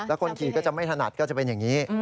แล้วคนขี่ก็จะไม่ถนัดก็จะเป็นอย่างนี้